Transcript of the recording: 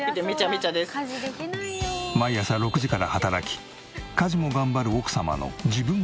毎朝６時から働き家事も頑張る奥様の。